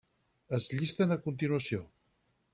Es llisten a continuació.